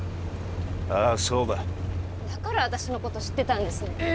ああそうだだから私のこと知ってたんですねえー